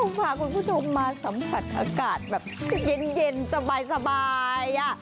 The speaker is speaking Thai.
พาคุณผู้ชมมาสัมผัสอากาศแบบเย็นสบาย